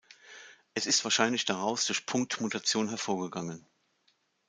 Es ist wahrscheinlich daraus durch Punktmutation hervorgegangen.